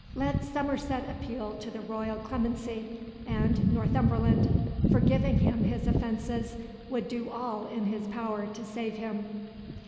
Let Somerset appeal to the royal clemency, and Northumberland, forgiving him his offences, would do all in his power to save him.